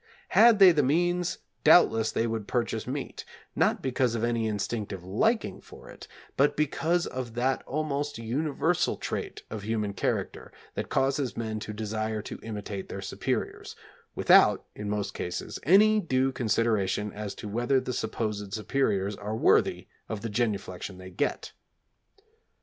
Had they the means doubtless they would purchase meat, not because of any instinctive liking for it, but because of that almost universal trait of human character that causes men to desire to imitate their superiors, without, in most cases, any due consideration as to whether the supposed superiors are worthy of the genuflection they get.